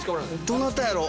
どなたやろ？